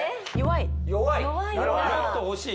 もっと欲しい？